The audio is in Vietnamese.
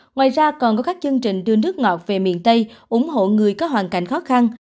ngoài ra còn có các chương trình đưa nước ngọt về miền tây ủng hộ người có hoàn cảnh khó khăn